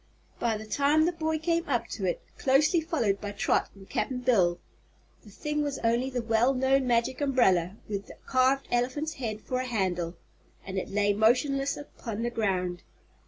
By the time the boy came up to it, closely followed by Trot and Cap'n Bill, the thing was only the well known Magic Umbrella, with the carved elephant's head for a handle, and it lay motionless upon the ground.